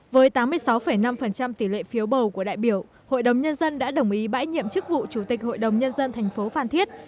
với tám mươi sáu năm tỷ lệ phiếu bầu của đại biểu hội đồng nhân dân đã đồng ý bãi nhiệm chức vụ chủ tịch hội đồng nhân dân thành phố phan thiết